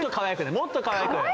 もっとかわいくね。